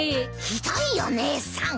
ひどいよ姉さん！